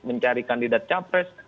mencari kandidat capres